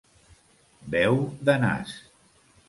Veu de nas.